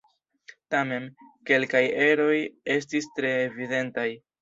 Tamen, kelkaj eroj estis tre evidentaj.